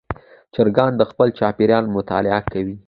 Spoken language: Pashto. چرګان د خپل چاپېریال مطالعه کوي.